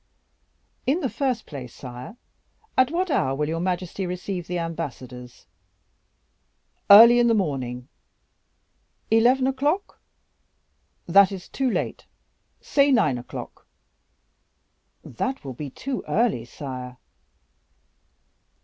"In the first place, sire, at what hour will your majesty receive the ambassadors?" "Early in the morning." "Eleven o'clock?" "That is too late say nine o'clock." "That will be too early, sire."